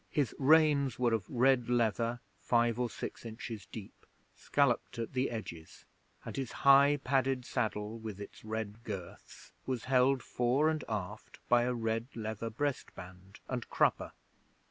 His reins were of red leather five or six inches deep, scalloped at the edges, and his high padded saddle with its red girths was held fore and aft by a red leather breastband and crupper.